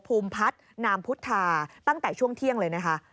ภูมิพัฒนามพุทธาตั้งแต่ช่วงเที่ยงเลยนะคะ